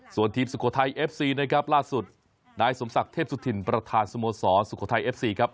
ส่วนทีมสุโขทัยเอฟซีนะครับล่าสุดนายสมศักดิ์เทพสุธินประธานสโมสรสุโขทัยเอฟซีครับ